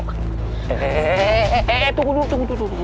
eh tunggu dulu tunggu dulu